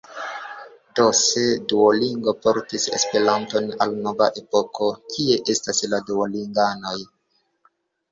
Do, se Duolingo portis Esperanton al nova epoko, kie estas la Duolinganoj?